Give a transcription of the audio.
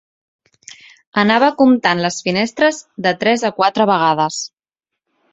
Anava comptant les finestres de tres a quatre vegades